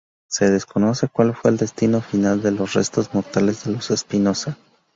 Se desconoce cual fue el destino final de los restos mortales de los Espinosa.